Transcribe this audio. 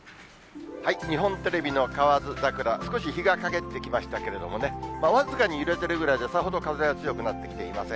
日本テレビの河津桜、少し日がかげってきましたけれども、僅かに揺れているぐらいで、さほど風は強くなってきていません。